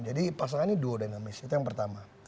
jadi pasangan ini duo dinamis itu yang pertama